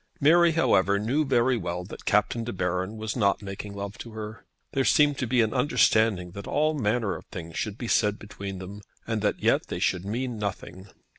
Mary, however, knew very well that Captain De Baron was not making love to her. There seemed to be an understanding that all manner of things should be said between them, and that yet they should mean nothing.